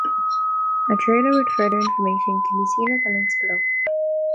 A trailer with further information can be seen at the links below.